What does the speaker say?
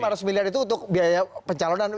jadi lima ratus miliar itu untuk biaya pencalonan